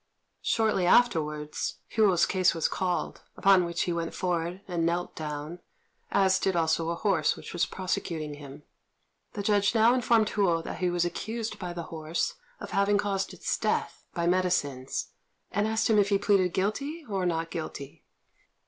Shortly afterwards, Hou's case was called; upon which he went forward and knelt down, as did also a horse which was prosecuting him. The judge now informed Hou that he was accused by the horse of having caused its death by medicines, and asked him if he pleaded guilty or not guilty.